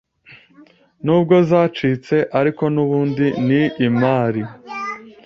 Nubwo zacitse ariko n’ubundi ni imari